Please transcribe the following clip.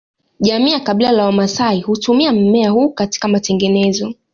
Jamii ya Kabila la Wamaasai hutumia mmea huu katika matengenezo